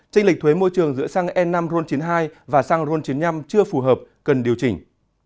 tranh lịch thuế môi trường giữa xăng e năm ron chín mươi hai và xăng ron chín mươi năm chưa phù hợp cần điều chỉnh